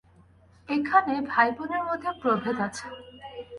এইখানে ভাইবোনের মধ্যে প্রভেদ আছে।